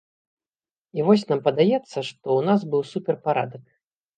І вось нам падаецца, што ў нас быў суперпарадак.